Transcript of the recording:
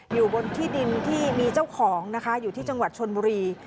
อยู่บนที่ดินที่มีเจ้าของนะคะอยู่ที่จังหวัดชนบุรี